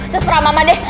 terserah mama deh